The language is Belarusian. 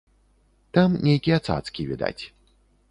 Там нейкія цацкі відаць.